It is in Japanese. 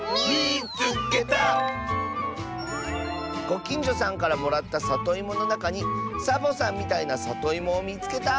「ごきんじょさんからもらったさといものなかにサボさんみたいなさといもをみつけた！」。